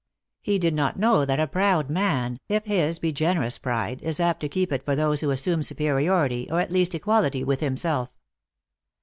He did not know that a proud man, if his be generous pride, is apt to keep it for those who assume superiority, or at least equality, with himself.